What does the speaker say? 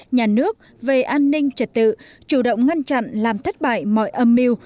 nhà nước về an ninh trật tự chủ động ngăn chặn làm thất bại mọi âm mưu